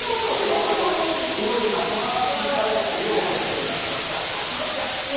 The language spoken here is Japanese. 失敗したからよう覚えてるんですよ。